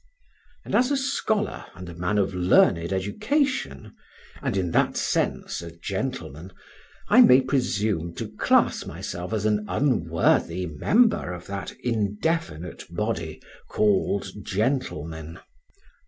And as a scholar and a man of learned education, and in that sense a gentleman, I may presume to class myself as an unworthy member of that indefinite body called gentlemen.